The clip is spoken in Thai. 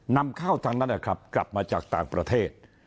นำเข้าทั้งนั้นนะครับกลับมาจากต่างประเทศ